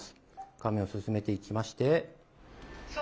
画面を進めていきまして。